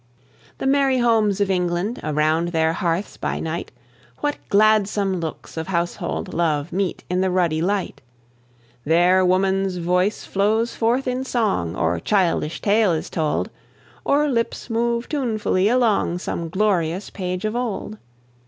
The merry homes of England! Around their hearths by night What gladsome looks of household love Meet in the ruddy light! There woman's voice flows forth in song, Or childish tale is told, Or lips move tunefully along Some glorious page of old.